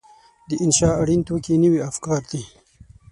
د انشأ اړین توکي نوي افکار دي.